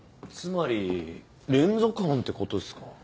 つまり連続犯ってことですか？